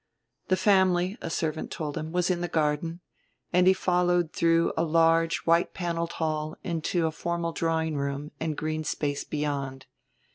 The family, a servant told him, was in the garden; and he followed through a large white paneled hall into a formal drawing room and green space beyond.